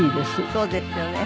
そうですよね。